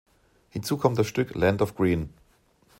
Hinzu kam das Stück "Land of Green".